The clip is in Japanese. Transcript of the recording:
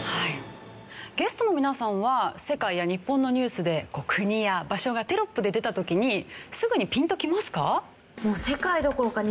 ゲストの皆さんは世界や日本のニュースで国や場所がテロップで出た時にすぐにピンと来ますか？